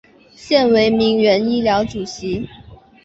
现为铭源医疗主席。